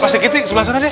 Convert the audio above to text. sebelah sana deh